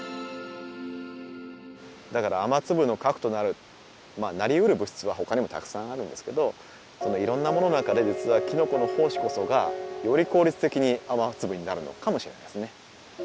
だから雨粒の核となるなりうる物質は他にもたくさんあるんですけどいろんなものの中で実はきのこの胞子こそがより効率的に雨粒になるのかもしれないですね。